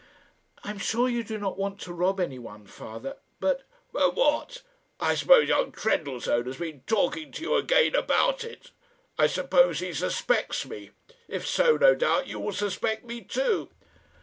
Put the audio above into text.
"I'm sure you do not want to rob anyone, father. But " "But what? I suppose young Trendellsohn has been talking to you again about it. I suppose he suspects me; if so, no doubt, you will suspect me too."